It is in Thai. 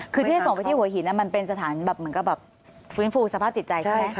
คือที่จะส่งไปที่หัวหินนั่นมันเป็นสถานร่วมแบบฝูนฟูวสภาพจิตใจใช่ไหม